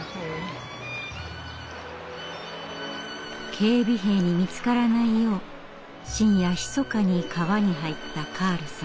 警備兵に見つからないよう深夜ひそかに川に入ったカールさん。